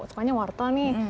sukanya wortel nih